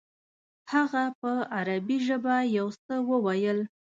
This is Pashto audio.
هغه په عربي ژبه یو څه وویل.